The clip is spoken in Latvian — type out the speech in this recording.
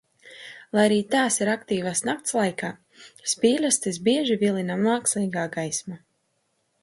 Lai arī tās ir aktīvas nakts laikā, spīļastes bieži vilina mākslīgā gaisma.